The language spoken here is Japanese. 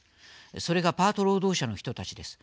それがパート労働者の人たちです。